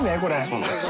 そうなんですよ。